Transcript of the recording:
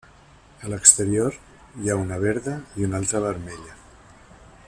A l’exterior hi ha una verda i una altra vermella.